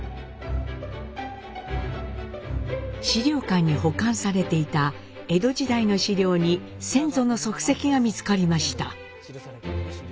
史料館に保管されていた江戸時代の史料に先祖の足跡が見つかりました。